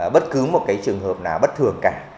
bất cứ một cái trường hợp nào bất thường cả